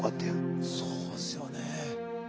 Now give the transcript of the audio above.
そうですよね。